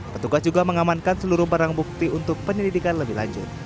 petugas juga mengamankan seluruh barang bukti untuk penyelidikan lebih lanjut